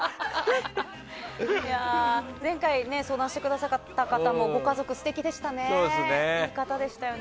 前回、相談してくださった方もご家族素敵な方でしたよね。